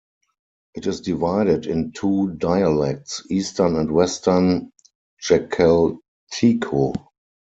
It is divided in two dialects, Eastern and Western Jakalteko.